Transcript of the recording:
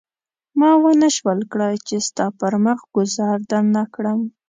ما ونه شول کړای چې ستا پر مخ ګوزار درنه کړم.